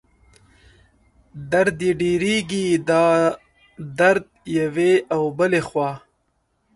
درد یې ډېرېږي، دا درد یوې او بلې خوا